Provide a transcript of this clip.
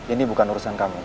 ini bukan urusan kamu